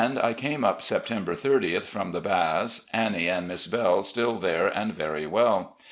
. I came up September 30th from the Baths. Anni e and Miss Bdle still there and very well.